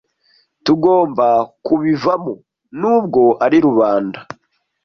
Tugomba kubivamo nubwo ari rubanda